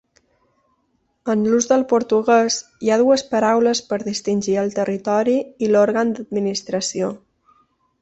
En l'ús del portuguès, hi ha dues paraules per distingir el territori i l'òrgan d'administració.